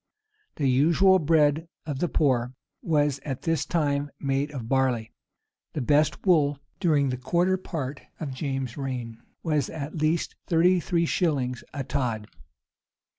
The usual bread of the poor was at this time made of barley.[] The best wool, during the greater part of James's reign, was at thirty three shillings a tod.